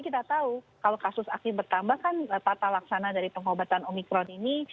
kita tahu kalau kasus aktif bertambah kan tata laksana dari pengobatan omikron ini